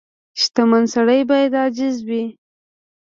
• شتمن سړی باید عاجز وي.